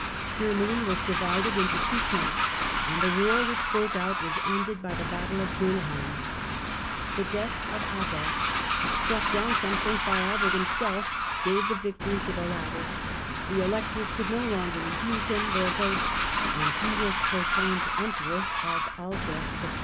Germany was divided into two camps, and the war which broke out was ended by the Battle of Goellheim. The death of Adolf, who was killed, some think, by Albert himself, gave victory to the latter. The Electors could no longer refuse him their votes and he was proclaimed Emperor as Albert I.